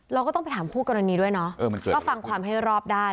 เราก็ต้องไปถามคู่กรณีด้วยเนาะก็ฟังความให้รอบด้าน